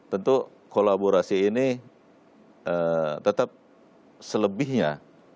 tentu kolaborasi ini tetap selebihnya